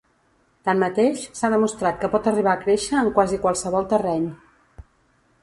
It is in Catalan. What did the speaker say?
Tanmateix, s'ha demostrat que pot arribar a créixer en quasi qualsevol terreny.